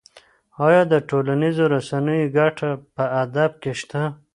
ایا د ټولنیزو رسنیو ګټه په ادب کې شته؟